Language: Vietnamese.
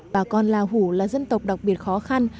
bà con la hủ là dân tộc đặc biệt khó khăn